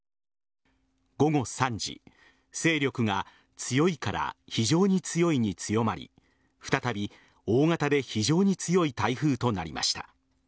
午後３時勢力が強いから非常に強いに強まり再び、大型で非常に強い台風となりました。